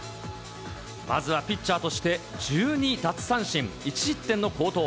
まずはピッチャーとして１２奪三振、１失点の好投。